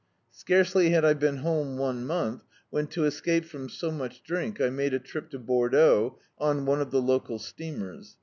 Scarcely had I been home one month, when, to escape from so much drink, I made a trip to Bor deaux, on cmc of the local steamers.